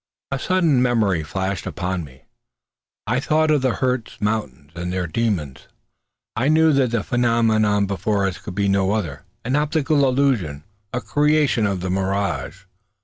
A sudden memory flashed upon me. I thought of the Hartz Mountains and their demons. I knew that the phenomenon before us could be no other; an optical delusion; a creation of the mirage.